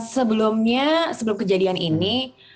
sebelumnya sebelum kejadian ini